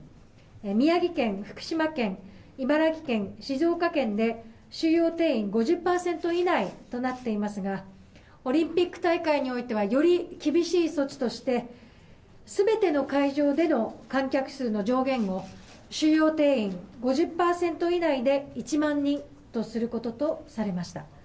宮城県、福島県、茨城県、静岡県で収容定員５０％以内となっていますが、オリンピック大会においてはより厳しい措置として、すべての会場での観客数の上限を、収容定員５０％以内で１万人とすることとされました。